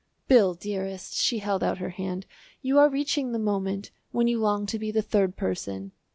"Bill, dearest," she held out her hand, "you are reaching the moment when you long to be the third person.